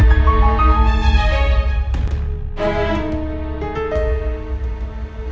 itu bunga dari andi